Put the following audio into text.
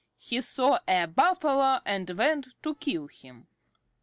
He saw a Buffalo and went to kill him.